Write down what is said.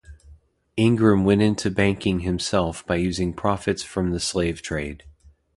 Ingram went into banking himself by using profits from the slave trade.